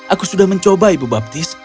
aku sudah mencoba ibu baptis